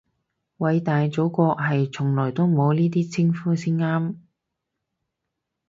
偉大祖國係從來都冇呢啲稱呼先啱